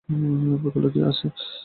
বোতলে কী আছে?